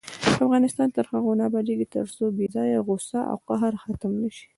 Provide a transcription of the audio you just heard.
افغانستان تر هغو نه ابادیږي، ترڅو بې ځایه غوسه او قهر ختم نشي.